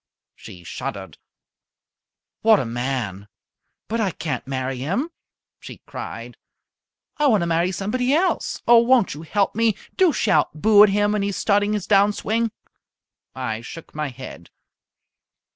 She shuddered. "What a man! But I can't marry him," she cried. "I want to marry somebody else. Oh, won't you help me? Do shout 'Boo!' at him when he is starting his down swing!" I shook my head.